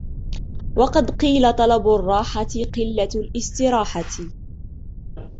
وَقَدْ قِيلَ طَلَبُ الرَّاحَةِ قِلَّةُ الِاسْتِرَاحَةِ